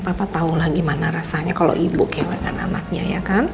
papa tahu lah gimana rasanya kalau ibu kehilangan anaknya ya kan